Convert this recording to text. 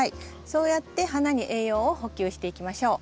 そうやって花に栄養を補給していきましょう。